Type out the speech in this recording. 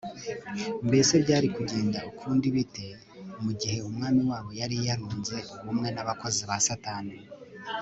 mbese byari kugenda ukundi bite mu gihe umwami wabo yari yarunze ubumwe n'abakozi ba satani